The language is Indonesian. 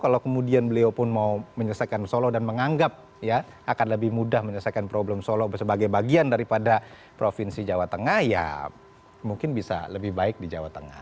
kalau kemudian beliau pun mau menyelesaikan solo dan menganggap ya akan lebih mudah menyelesaikan problem solo sebagai bagian daripada provinsi jawa tengah ya mungkin bisa lebih baik di jawa tengah